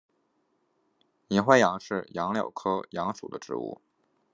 银灰杨是杨柳科杨属的植物。